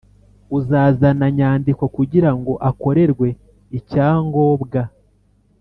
Uzazana nyandiko kugira ngo akorerwe icyangobwa